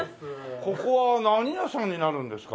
ここは何屋さんになるんですか？